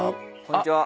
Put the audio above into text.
こんにちは。